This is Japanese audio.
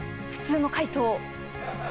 普通の回答。